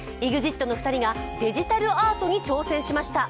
ＥＸＩＴの２人がデジタルアートに挑戦しました。